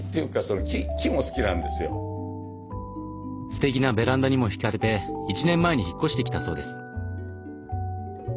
すてきなベランダにもひかれて１年前に引っ越してきたそうです。